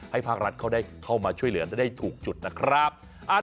ภาครัฐเขาได้เข้ามาช่วยเหลือได้ถูกจุดนะครับ